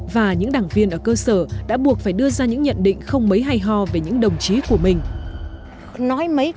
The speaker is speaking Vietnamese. và những đảng viên ở cơ sở đã buộc phải đưa ra những nhận định không mấy hay ho về những đồng chí của mình